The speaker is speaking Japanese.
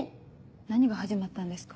何が始まったんですか？